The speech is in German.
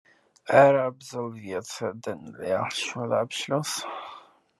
Er absolvierte den Realschulabschluss.